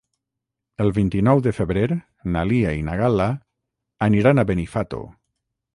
El vint-i-nou de febrer na Lia i na Gal·la aniran a Benifato.